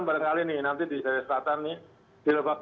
barangkali nanti di daerah selatan nih